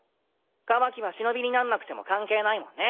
カワキは忍になんなくても関係ないもんね。